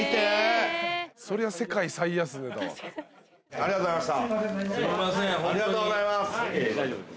ありがとうございます。